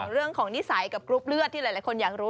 เรื่องของนิสัยกับกรุ๊ปเลือดที่หลายคนอยากรู้